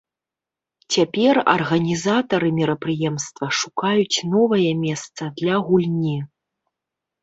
Цяпер арганізатары мерапрыемства шукаюць новае месца для гульні.